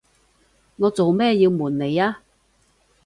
我做咩要暪你呀？